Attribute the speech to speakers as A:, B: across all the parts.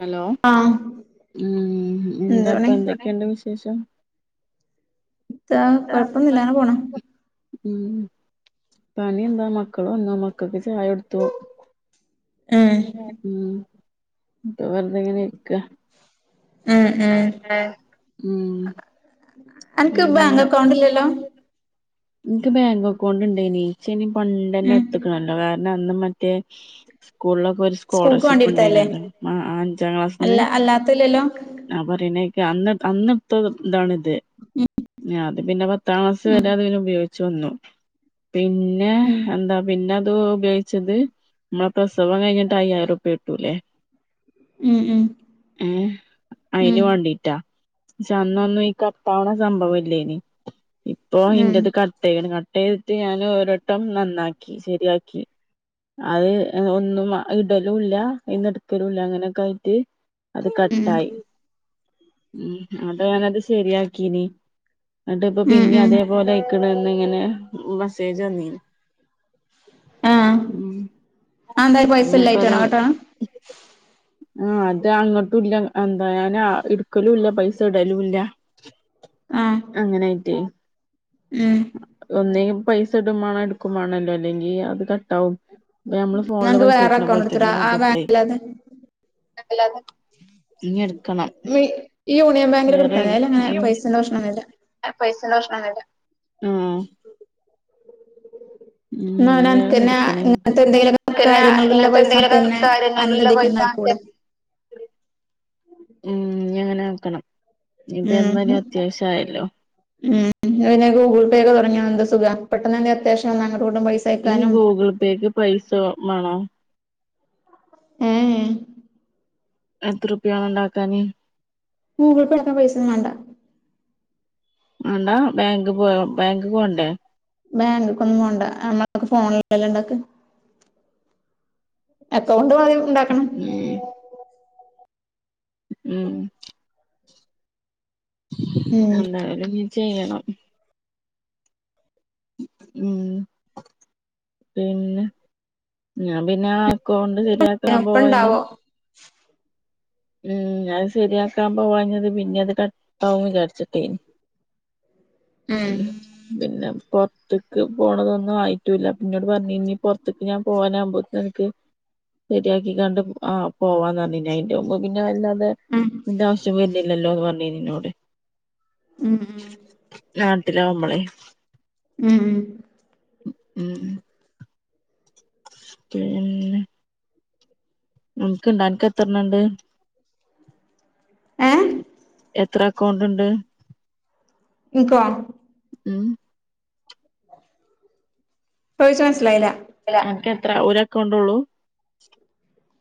A: Hello?
B: ആഹ്
A: ഉം
B: എന്താ പണി
A: എന്താപ്പൊ എന്തൊക്കെണ്ട് വിശേഷം?
B: ഇത്താ കൊഴപ്പൊന്നുല്ല അങ്ങനെപോണു
A: ം പണിയ എന്താ മക്കള് വന്നു മക്കൾക്ക് ചായ കൊടുത്തു.
B: ഉം
A: ം പ്പൊ വേറെതെങ്ങനെ ഇരിക്ക.
B: ഉം
A: ഹേ
B: ഉം
A: ഹേ ഉം -
B: അൻക്ക് ബാങ്ക് അക്കൗണ്ടില്ലല്ലോ?
A: ൻക്ക് ബാങ്കക്കൗണ്ട് ണ്ടെയിനി ഇച്ചെയിനി പണ്ടന്നെ
B: ഉം
A: ട്ത്തുക്കണല്ലോ കാരണം അന്ന് മ റ്റേ സ്കൂളിലൊക്കെ ഒരു
B: സ്കൂൾക്ക് വേണ്ടി
A: സ്കോളർഷിപ്പ്
B: എടുത്തല്ലേ
A: ഉണ്ടയിനില്ലെ അഞ്ചാം ക്ലാസ്സിന്ന്.
B: അല്ല അല്ലാത്തല്ലല്ലോ
A: ആ പറണെക്ക് അന്ന് അന്ന് ട്ത്ത താണ്
B: ഉം
A: ഞാ ത് പിന്നെ പത്താം ക്ലാസ് വരെ അതനെ ഉപയോഗിച്ചു വന്നു. പിന്നെ
B: ഉം
A: എന്താ പിന്നെ [unintelligible] ഉപയോഗിച്ചത് നമ്മള പ്രസവം കഴഞ്ഞിട്ട് അയ്യായിരോറർപ്യകിട്ടൂല്ലേ?
B: ഉം ഉം
A: ഏ
B: ഉം
A: അയിന്
B: ഉം
A: വേണ്ടീറ്റാ പക്ഷെ അന്നൊന്നും ഈ കട്ടാവണ സംഭവം ഇല്ലേനി ഇപ്പൊ
B: ഉം
A: ഇന്റെത് കട്ടയിക്ക്ണ്. [unintelligible] കട്ട്അയ്റ്റ് ഞാന് ഒരട്ടം നന്നാക്കി ശരിയാക്കി അത് ഒന്നും ഇടലൂല്ല അയിന്ന് ഇടുക്കലൂല്ല അങ്ങനെക്കെ ആയിറ്റ്. അത്
B: ഉം
A: കട്ടായി ് [unintelligible] ഞാനത് ശരിയാക്കീനി ന്നിട്ട് പ്പൊ
B: ഉം
A: പിന്നീ
B: ഉം
A: അതേപോലെ അയിക്കണന്നങ്ങനെ മെസ്സേജ് വന്നീനി
B: ആ
A: ഉം
B: അ എന്തായി പൈസല്ലായിറ്റാണോ കട്ടാണ്
A: ആ അത് അങ്ങോട്ടൂല്ല എന്താ ഞാൻ ഇട്ക്കലൂ ല്ല പൈസ ഇടലൂല്ല.
B: ആഹ്
A: അങ്ങനായിറ്റെയ്
B: ഉം
A: ഒന്നേ പൈസ ഇടുമാണം ഇടുക്കൂ മാണല്ലോ ല്ലെങ്കി അത് കട്ടാവും. പ്പോ ഞമ്മള്
B: ന്നാ
A: ഫോണില്
B: അനക്ക്
A: പൈസ
B: വേറെ
A: കേറ്റ്ണ
B: അക്കൗണ്ട്
A: പോലെ
B: എടുത്തൂടെ
A: തന്നെണ്
B: ആ
A: അതൂപ്ലെ.
B: ബാങ്കില്ലാതെ
A: ഇടു [unintelligible]
B: ഈ യൂണിയൻ ബാങ്കിലൊക്കെ ട്ത്താമതി അയിലങ്ങനെ പൈസേന്റെ പ്രശ്നം വരില്ല
A: പൈസൻ്റെ പ്രശ്നോന്നുല്ല.
B: [inaudible] ന്ന ഓനൻ്റക്കന്നെ [unintelligible] തന്നെ ഇങ്ങന ത്തെ എന്തെങ്കിലും
A: പിന്നെ
B: കാര്യങ്ങളില [unintelligible]
A: ഇങ്ങനത്തെ
B: പൈസ
A: എന്തെങ്കിലുമൊക്കെ
B: നുക്ക്ന്നെ
A: കാര്യങ്ങളിലുള്ള പൈസ
B: അനദിക്ക കൂടെ
A: ം ഞി അങ്ങനെ ആക്കണം ഞിപ്പൊ
B: ഉം
A: എന്താലും അത്യാവശ്യായല്ലോ?
B: ന്നാ പിന്നെഗൂഗിൾ പേ ഒക്കെ തുടങ്ങിയ എന്ത് സുഖ പെട്ടന്ന ന്നെ അത്യാവശ്യ വന്ന -
A: ഈ ഗൂഗിൾപേക്ക് പൈസ മാണോ?
B: ഏഅ്
A: എത്രുപ്യാണം ണ്ടാക്കാന്?
B: ഗൂഗിൾപേട്ക്കാം പൈസെന്നും വാണ്ട.
A: വാണ്ടാ? ബാങ്ക് പോ ബാങ്ക് പോണ്ടേ?
B: ബാങ്കക്കൊന്നും പോണ്ട [unintelligible] നമ്മളെ ഫോണിലല്ലേ ണ്ടാക്ക- അക്കൗണ്ട് [unintelligible]
A: [unintelligible] ം
B: ഉം
A: എന്തായാലും ചെയ്യണം. ം പിന്നെ? ഞാൻ പിന്നെ ആ അക്കൗണ്ട് ശരിയാക്കാൻ
B: ഒപ്പം
A: പോവാന്
B: ഉണ്ടാവോ [unintelligible]
A: ഉം ഞാൻ ശരിയാക്കാൻ പോവാഞ്ഞത് പിന്നെ അത് കട്ടാവും വിചാരിച്ചിട്ടായ്നി.
B: [inaudible] ഉം
A: മ് പിന്നെ പൊ ടക്ക് പോണതൊന്നു ആയിട്ടൂല്ല ന്നോട് പറഞ്ഞ് ഞ്ഞി പോർത്തേക്ക് ഞാൻ പൂവാനമ്പത്തേക്ക്‌ അനക് ശരിയാക്കികാണ്ട് ആ പോവാന്നറിഞ്ഞിഞ്ഞെയ്ന്. മ്പപിന്നെ വല്ലാണ്ട്
B: ഉം
A: ഇന്റെ ആശ്യം വരുന്നില്ലല്ലോന്ന് പറഞ്ഞിന്നോട്.
B: ഉം ഉം
A: നാട്ടിലാമ്പളെ
B: ഉം ഉം
A: ഉം പിള്ളേ നിൻക്ക്ണ്ട് അനക് എത്രണ്ണണ്ട്?
B: ഏ?
A: എത്ര അക്കൗണ്ടുണ്ട്
B: ഇനിക്കോ
A: ഉം
B: ചോയിച്ച മനസ്സിലായില്ല.
A: ത്ര ഒര് അക്കൗണ്ടോള്ളൂ?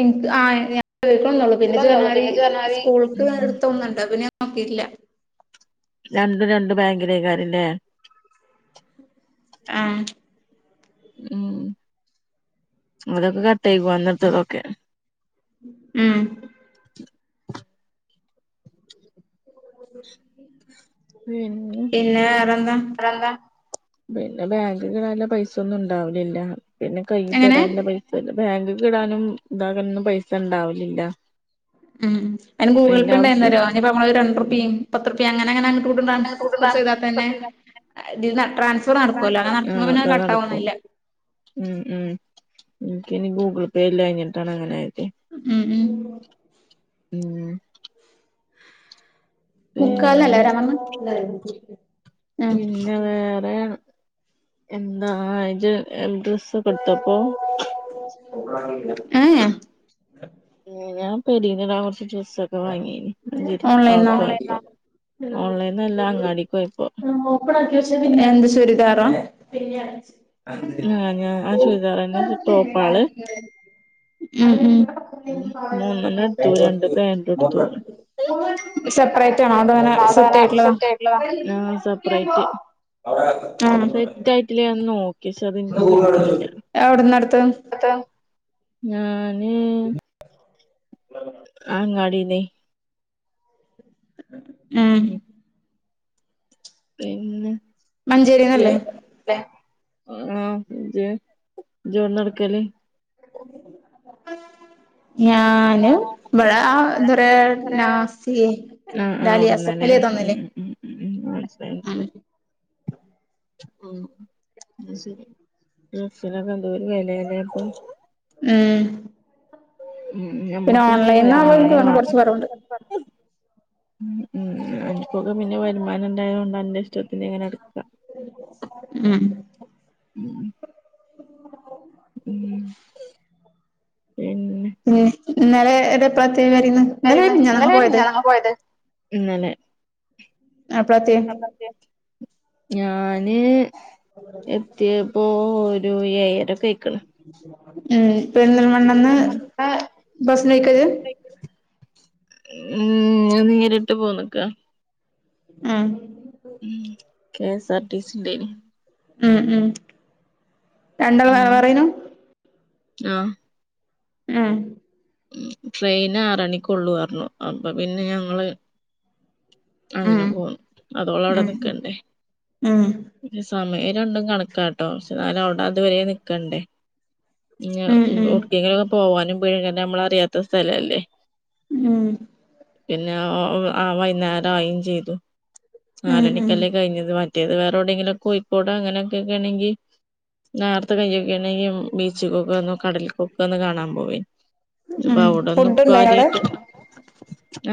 B: എനിക്ക് ആ ഞാൻ നിക്കൊണൊള്ളൂ പിന്നെ
A: ഇല്ലന്നള്ളൂ
B: ജെനരി
A: പിന്നെ ഇജ്ജ് പറഞ്ഞമാതിരി
B: സ്കൂൾക്ക്
A: ഉം
B: എടുത്തൊന്നണ്ട് പിന്നെ നോക്കീട്ടില്ല.
A: രണ്ടും രണ്ടു ബാങ്കിലേക്കാരല്ലേ?
B: ആ
A: ഉം അതൊക്കെ കട്ടായിക്കും അന്നത്തതൊക്കെ
B: ഉം
A: പിന്നെ
B: പിന്നെ വേറെന്താ?
A: അതെന്താ പിന്നെ ബാങ്കിന്ന് നല്ല പൈസന്നുണ്ടാവലില്ല പിന്നെ കൈ
B: എങ്ങനെ
A: തരാൻള്ള പൈസണ്ട്. ബാങ്ക്കിടാനും ഇതാക്കാനൊന്നും പൈസണ്ടാവലില്ല.
B: ഉം അതിന് ഗൂഗിൾ പേണ്ടായിന്നരോ അനിപ്പോ മ്മള് ഒരു
A: ഉം
B: രണ്ടുർപ്യേം പത്തുർപ്യയും അങ്ങനെങ്ങനെ ഇവിടു ട്രൻസ്ഫർ ചെയ്താ തന്നെ ഇതിന്ന ട്രാൻസ്ഫർ നടക്കുമല്ലോ അങ്ങനെ നടക്കുമ്പ
A: ആഹ്
B: പിന്നെ അത്
A: അതാ നടക്കും
B: കട്ടാവോന്നില്ല.
A: ഉം ഉം ഇനിക്കയ്ന് ഗൂഗിൾ പേ ഇല്ലാഞ്ഞിട്ടാണ് അങ്ങനായത്.
B: ഉം ഉം
A: ഉം പിന്നെ
B: [unintelligible] ഉം
A: പിന്നെ വേറെ എന്താ ഇത് ഡ്രസ്സ്‌ ഒക്കെ എടുത്തോ പ്പോ
B: ഓപ്പണാക്കിലേ?
A: ങ്ങനാ പെരീലിടാൻ കൊറച്ചു ഡ്രസ്സ്‌ സൊക്കെ വാങ്ങിനു [unintelligible]
B: ഓപ്പണാക്കി വെച്ച പിന്നെന്താ [unintelligible] റ പിന്ന [unintelligible]
A: ആഹ ഞാൻ ആ ചുരിദാർ തന്നെ ടോപ് കൾ
B: മ്മ് മ്മ്
A: മ്മ് മൂന്നെണ്ണം എടുത്തു രണ്ട് പാന്റ് എടുത്തു
B: സെപ്പറേറ്റ് ആണോ അതോ അങ്ങനെ സെറ്റ്
A: അതങ്ങനെ
B: ആയിട്ടുള്ളതാ
A: ആ സെപ്പറേറ്റ്
B: അവടെ [unintelligible]
A: സെറ്റ് ആയിട്ടില്ലേ ഞാൻ നോക്കി പക്ഷെ അത് എനിക്ക് കിട്ടിയില്ല
B: എവിടുന്നടുത്ത്
A: ഞാന് അങ്ങാടിന്നെ
B: ആഹ്
A: പിന്നെ
B: മഞ്ചേരിന്നല്ലേ?
A: ല്ലെ ആ ഇജ് ഇജ് എഔട്ന്നാ ഇട്ക്കൽ?
B: [inaudible] ഞാനും ആ
A: ഞാന്
B: ഇവടെ ഇല്ലേ നാസിയ
A: ആ ആ അവിടുന്നല്ലേ മ്മ് മ്മ് മ്മ് മനസ്സിലായി മനസ്സിലായി
B: മ്മ്
A: ഡ്രെസ്സ്നൊക്കെ എന്തൊരു വെലാല്ലേപ്പോ?
B: മ്മ്.
A: ഉം
B: പിന്നെ
A: ഞമ്മക്ക് ഇനി
B: ഓൺലൈൻ
A: വരുമാനം
B: [unintelligible] കൊർച്ച്
A: വേണം
B: കൊറവ്ണ്ട്.
A: ഉം അൻക്കൊക്കെ പിന്നെ വരുമാനണ്ടായോണ്ട് അന്റെ ഇഷ്ടത്തിന്ങ്ങനെ എട്ക്കാ.
B: മ്.
A: [inaudible] ഉം
B: [inaudible]
A: പിന്നെ
B: മ് ഇന്നലെ [unintelligible] വരീന്ന് ഇന്നലെ മിനിഞ്ഞാന്നോ ഞങ്ങൾ
A: [unintelligible] പോയത്?
B: എപ്പളാത്തിയെ
A: അപ്പക്കെ ഞാന് എത്തിയപ്പോ ഒരു ഏയര ഒക്കെയി
B: ഏ പെര്ന്തൽ മണ്ണെന്ന്
A: ഉം
B: ബസ്സ്ന് പോയ് [unintelligible]
A: മ്മ് ഞാൻ നേര്ട്ട് പോന്നക്കാ.
B: മ്
A: K S R T C ണ്ടേനി.
B: ഉം ഉം രണ്ടാൾ വേറെ
A: ഉം
B: വേറെ നോ
A: ആഹ്.
B: ഉം.
A: ട്രെയിന് ആറണിക്ക്ള്ളു ർഞ്ഞു അപ്പൊ പിന്നെ ഞങ്ങള് അങ്ങനെ
B: ഉം
A: പോന്ന് അത് ഓളടെ
B: ഉം
A: നിക്കണ്ടേ
B: ഉം
A: പിന്നേ സമയ ണ്ടും കണക്കാട്ടോ ക്ഷെ ന്നാലും അഔടെ അതുവരെ നിക്കണ്ടേ. [unintelligible]
B: ഉം ഉം
A: എവിടേക്കെങ്കിലും ഒക്കെ പോകാനും പേടിയാ നമ്മൾ അറിയാത്ത സ്ഥലല്ലേ
B: മ്മ്.
A: പിന്നെ [unintelligible] വൈന്നേരായി ചെയ്തു
B: ഉം ഉം
A: നാലണിക്കല്ലേ കഴിഞ്ഞത് വ മറ്റേത് വേറൊടെങ്കിലും കോഴിക്കോട് അങ്ങനെക്കെക്കെണങ്കിൽ. നേർത്തെ കഴിയു [unintelligible] ബീച്ച്കോക്കോ കടൽക്കൊക്കെ കാണാൻ പോവേനി.
B: ഉം
A: [unintelligible] അഔടൊന്ന്
B: ഫുഡ് ഉണ്ടായിനോ അവിടെ
A: കാര്യായിട്ട്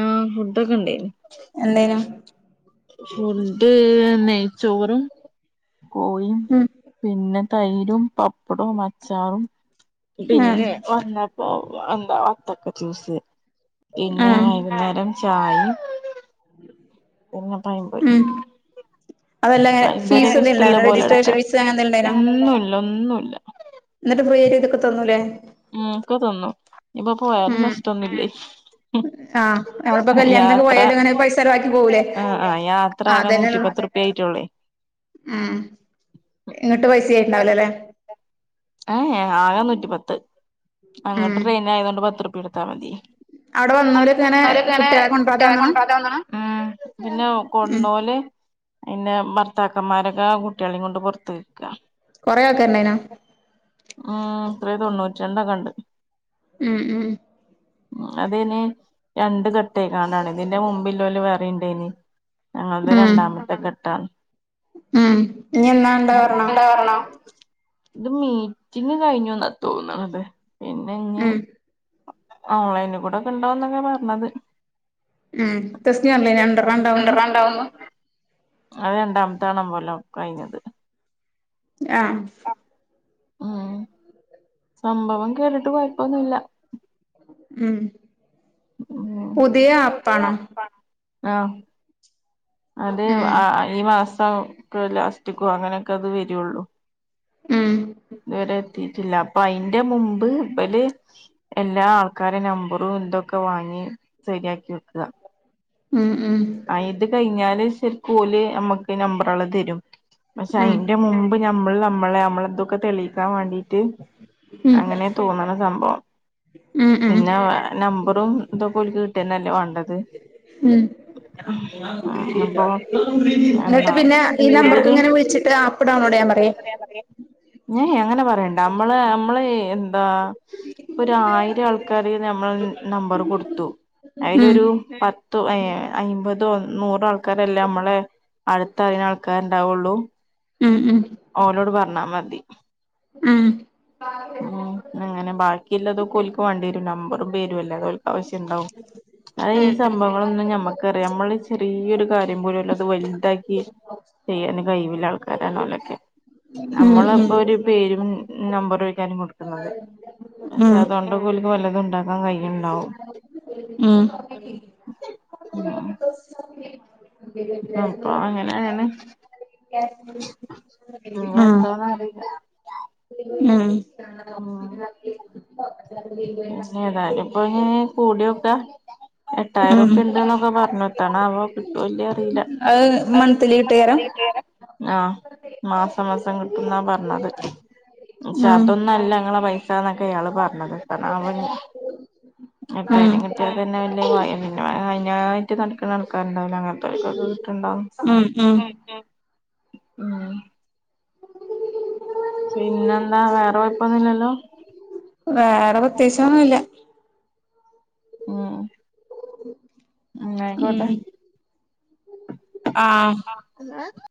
A: ആ ഫുഡ്‌ക്കെ ഇണ്ടേനി.
B: എന്തേനു
A: ഫുഡ്‌ നെയ്ച്ചോറും കോഴും
B: ഉം
A: പിന്നെ. തൈരും പപ്പ പ്പടും അച്ചാറും
B: ഉം
A: പിന്നെ വന്നപ്പോ എന്താ വത്തക്ക ജൂസ് പിന്നെ
B: ഉം
A: വൈകുന്നേരം ചായിം. പിന്നെ പഴംമ്പൊരിം.
B: ഉം അതല്ല ഫീസ്
A: പഴംമ്പൊരിക്കെ
B: എന്തേലും ഉണ്ടായിരുന്നോ
A: ഇഷ്ടള്ളപോലെ
B: രജിസ്ട്രേഷൻ
A: എട്ക്കാ
B: ഫീസ് അങ്ങനെ
A: ഒന്നുല്ല ഒന്നു
B: ന്നിട്ട് ഫ്രീയായിട്ട് തക്കെ തിന്നൂല്ലേ?
A: ഉം ഒക്കെ തിന്നും ഞ്ഞിപ്പൊ പോയാലും
B: ഉം
A: നഷ്ടൊന്നില്ലേ.
B: ആഹ് നമ്മളിപ്പോ കല്യാണത്തിനൊക്കെ
A: യാത്ര
B: പോയാലും ഇങ്ങനെ പൈസ ചെലവാക്കി പോകൂലേ
A: ആ ആ യാത്ര ആകാൻ
B: അതന്നെള്ളു
A: നൂറ്റിപ്പത്തുർപ്യ ആയിട്ടെ
B: ഉം
A: [unintelligible]
B: ഇങ്ങട്ട് പൈസ ആയിട്ടുണ്ടാവില്ലല്ലേ
A: പ്ലേ. ഹേയ് ഹേ ആകെ നൂറ്റി പത്ത്. അങ്ങട്ട്
B: ഉം
A: ട്രെയിനായതോണ്ട് പത്തുർപ്യ കൊട്ത്താ മതി.
B: അവിടെ വന്നോലൊക്കെ ഇങ്ങനെ
A: അവരൊക്കെങ്ങനെ
B: കുട്ടികളെ കൊണ്ടരാതെ
A: കുട്ട്യളെ
B: വന്നണ
A: കൊണ്ടാക്കാ വന്നാണ് ഉം പിന്നെ
B: ഉം
A: കൊണ്ടോകല്. ന്നെ ഭർത്താക്കന്മാരൊക്കെ കുട്ട്യളിം കൊണ്ട് പൊർത്ത് പോയിക്ക.
B: കൊറേ ആൾക്കാരുണ്ടായിനോ
A: ഉം ത്ര തൊണ്ണൂറ്റിരണ്ടക്കെണ്ട്.
B: മ് മ്
A: അതിന് രണ്ട് തട്ടേ കാണാണ് ഇതിന്റെ മുമ്പില്ലോൽ വേറെണ്ടേനി. ആ അത്
B: ഉം
A: രണ്ടാമത്തെ ഘട്ടാ
B: ഉം ഇനി എന്നാണ്ട്
A: [unintelligible]
B: പറഞ്ഞോ
A: ത് മീറ്റിങ്ങ് കഴിഞ്ഞുന്നാ തോന്നണത് പിന്നെ ഇഞ്ഞി.
B: ഉം
A: ഓൺലൈൻ കൂടെക്കെണ്ടോന്നക്കേ പർഞ്ഞത്.
B: ഉം ടെസ്റ്റ് പറഞ്ഞില്ലേ രണ്ടെണ്ണം ഉണ്ടാവുന്ന്
A: [unintelligible] അത് രണ്ടാമത്തെ നമ്പറിലാ കഴിഞ്ഞത്
B: ആ
A: ഉം സംഭവം കേട്ടിട്ട് കുഴപ്പൊന്നുല്ല
B: ഉം പുതിയ ആപ്പാണ്
A: ആ അത്
B: ഉം
A: ആ ഈ മാസം ലാസ്റ്റിക്കോ അങ്ങനെയൊക്കെ അത് വരുള്ളൂ
B: ഉം
A: [unintelligible] കിട്ടില്ല അപ്പൊ അതിന്റെ മുമ്പ് ഇബൽ എല്ലാ ആൾക്കാരെ നമ്പറും എന്തൊക്കെ വാങ്ങി ശരിയാക്കി വെക്കുക
B: ഉം ഉം
A: ഞാന് ശെരിക്കും ഓല് നമ്മക്ക് നമ്പറുകള് തരും പക്ഷെ
B: ഉം
A: അതിന്റെ മുമ്പ് ഞ നമ്മൾ നമ്മളെമ്മള എന്തൊക്കെ തെളയിക്കാൻ വേണ്ടി
B: ഉം
A: അങ്ങനെ തോന്നണ സംഭവം
B: ഉം ഉം
A: നിന്നാ നമ്പറും ഇതൊക്കെ ഓൽക്ക് കിട്ടന്നല്ലേ വേണ്ടത്
B: ഉം
A: ഉം അപ്പൊ
B: എന്നിട്ട്
A: എന്താ
B: പിന്നെ ഈ നമ്പർക്ക്
A: കൂടുതല്
B: ഇങ്ങനെ വിളിച്ചിട്ട് ആപ്പ് ഡൗൺലോഡ് ചെയ്യാൻ പറയാ
A: ഞ അങ്ങനെ പറയണ്ട നമ്മള് നമ്മള എന്താ ഇപ്പോ ഒരു ആയിരം ആൾക്കാര് നമ്മൾ നമ്പർ കൊടുത്തു അയില്
B: ഉം
A: ഒരു പത്തോ ഏ അയിൻപതോ നൂറ് ആൾക്കാരല്ലേ നമ്മളെ അടുത്തറീ ന്ന ആൾക്കാര്ണ്ടാവുള്ളു
B: ഉം ഉം
A: ഓലോട് പറഞ്ഞാ മതി
B: ഉം
A: ഉം അങ്ങനെ ബാക്കിള്ളതൊക്കെ ഓൽക്ക് വേണ്ടി വരും നമ്പറും പേരുംല്ലേ അത് ഓൽക്ക് ആവശ്യം ഉണ്ടാവും അത ഈ
B: ഉം
A: സംഭവങ്ങളൊന്നും ഞമ്മക്കറിയാം നമ്മള് ചെറിയൊരു കാര്യ [unintelligible] അത് വലുതാക്കി ചെയ്യാൻ കഴിവില്ല ആൾക്കാരാണോല്ലൊക്കെ.
B: ഉം ഉം
A: നമ്മളപ്പോഒരു പേരും നമ്പറോ ചോദിക്കാനാവും കൊടുക്കുന്നത്
B: ഉം
A: പക്ഷെ
B: ഉം
A: അതൊണ്ട- വല്ലാതൊണ്ടാക്കാൻ കഴിയുന്നുണ്ടോ
B: ഉം ഉം ഉം
A: ആ അപ്പൊ അങ്ങനെയാണ് ഇനി എതോന്നറീല്ല ഉം
B: [unintelligible]
A: അപ്പൊ ഇ കൂടിയൊക്കെ
B: ഉം.
A: എട്ടായിറുപ്പാ ഉണ്ട് എന്നൊക്കെ പറഞ്ഞട്ടാണ് ആവോ കിട്ടുല്ല്യോ
B: അത് മന്ത്ലി ഇട്ടുതരം
A: ആ മാസം മാസം കിട്ടുന്നാ പറഞ്ഞത് ക്ഷെ
B: ഉം
A: അതൊന്നുഅല്ല ങ്ങള പൈസന്നൊക്കെ ഇയാള് പറഞ്ഞത് [unintelligible]
B: ഉം
A: എട്ടായിരം കിട്ടിയ തന്നെ [unintelligible] നടക്കുന്ന ആൾക്കാണ്ടാവില്ലോ അങ്ങനത്തെ
B: ഉം ഉം
A: [unintelligible] പിന്നെന്താ വേറെ കൊഴപ്പൊന്നുല്ലല്ലോ
B: വേറെ പ്രത്യാശൊന്നുല്ല
A: മ്മ് ന്നാ
B: ഉം
A: ആയിക്കോട്ടെ
B: ആഹ്
A: [unintelligible]